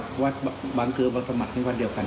เพราะท่านบอกท่านเคยอยู่ที่นี่มาก่อน